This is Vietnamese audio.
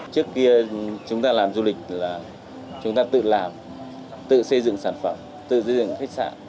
trước kia chúng ta làm du lịch là chúng ta tự làm tự xây dựng sản phẩm tự xây dựng khách sạn